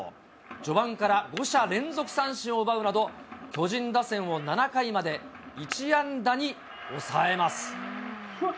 序盤から５者連続三振を奪うなど、巨人打線を７回まで１安打に抑えます。